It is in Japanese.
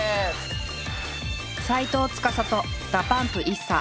斎藤司とＤＡＰＵＭＰＩＳＳＡ。